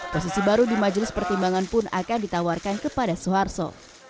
posisi baru di majelis pertimbangan pun akan ditawarkan kepada soeharto